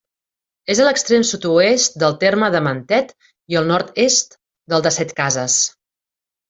És a l'extrem sud-oest del terme de Mentet, i al nord-est del de Setcases.